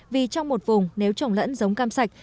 vì trong một vùng nếu trồng lẫn giống cam sạch